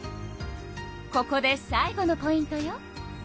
ここで最後のポイントよ。